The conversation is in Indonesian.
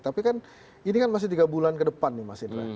tapi kan ini kan masih tiga bulan ke depan nih mas indra